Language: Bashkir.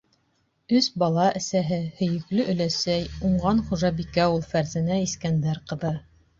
Өс бала әсәһе, һөйөклө өләсәй, уңған хужабикә ул Фәрзәнә Искәндәр ҡыҙы.